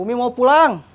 umi mau pulang